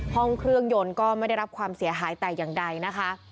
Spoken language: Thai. ห้องเครื่องยนต์ก็ไม่ได้รับความเสียหายแต่อย่างใดนะคะ